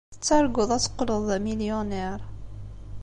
Tettarguḍ ad teqqleḍ d amilyuniṛ.